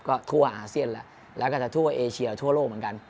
ก็ทั่วอาเซียนแล้วแล้วก็จะทั่วเอเชียทั่วโลกเหมือนกัน